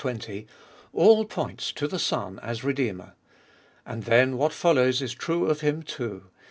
20), all points to the Son as Redeemer. And then what follows is true of Him too.